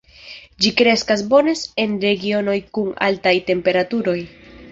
Ĝi kreskas bone en regionoj kun altaj temperaturoj.